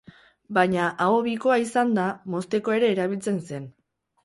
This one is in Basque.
Baina, aho bikoa izanda, mozteko ere erabiltzen zen.